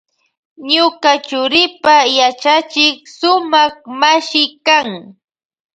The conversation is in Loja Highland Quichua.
Ñuka churipa yachachik sumak mashi kan.